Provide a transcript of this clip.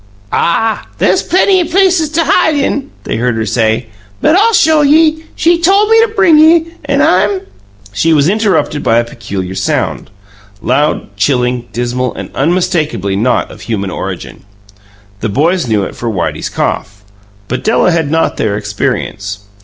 "Ah, there's plenty places t'hide in," they heard her say; "but I'll show ye! She tole me to bring ye, and I'm " She was interrupted by a peculiar sound loud, chilling, dismal, and unmistakably not of human origin. The boys knew it for Whitey's cough; but Della had not their experience.